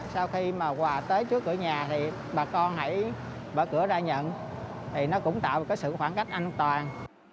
sau khi mà quà tới trước cửa nhà thì bà con hãy bởi cửa ra nhận thì nó cũng tạo sự khoảng cách an toàn